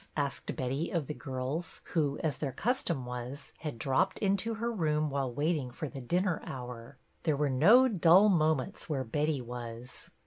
" asked Betty of the girls who, as their custom was, had dropped into her room while waiting for the dinner hour. There were no dull mo ments where Betty was.